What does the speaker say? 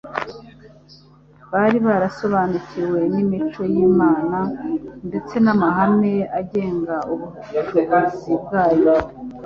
bari barasobanukiwe n’imico y’Imana ndetse n’amahame agenga ubuyobozi bwayo